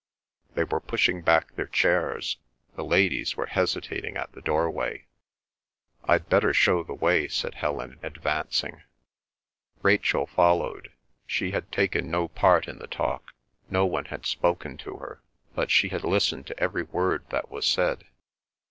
They were pushing back their chairs. The ladies were hesitating at the doorway. "I'd better show the way," said Helen, advancing. Rachel followed. She had taken no part in the talk; no one had spoken to her; but she had listened to every word that was said.